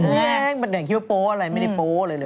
แม่งแม่งคิดว่าโป๊ะอะไรไม่ได้โป๊ะอะไรเลย